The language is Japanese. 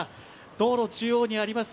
道路中央にあります